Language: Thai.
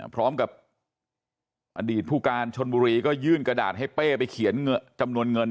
พร้อมกับอดีตผู้การชนบุรีก็ยื่นกระดาษให้เป้ไปเขียนจำนวนเงิน